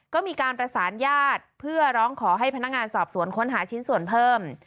ก็มีการประสานญาติเพื่อร้องขอให้พนักงานสอบสวนค้นหาชิ้นส่วนเพิ่ม